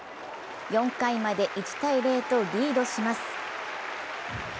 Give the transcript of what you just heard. ４回まで１−０とリードします。